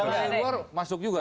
kalau di luar masuk juga